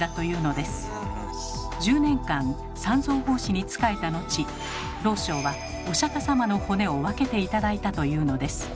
１０年間三蔵法師に仕えた後道昭はお釈様の骨を分けて頂いたというのです。